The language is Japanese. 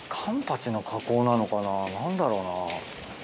何だろうな。